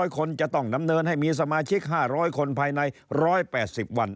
คนจะต้องดำเนินให้มีสมาชิก๕๐๐คนภายใน๑๘๐วัน